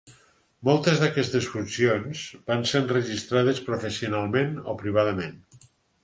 Moltes d'aquestes funcions van ser enregistrades, professionalment o privadament.